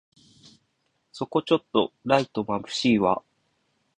そこちょっとライトまぶしいわ